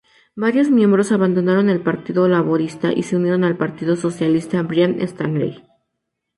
Varios miembros abandonaron el Partido Laborista y se unieron al Partido Socialista Brian Stanley.